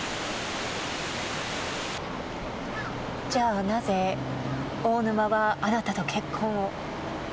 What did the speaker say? じゃなぜ大沼はあなたと結婚を？